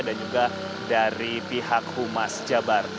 dan juga dari pihak humas jabar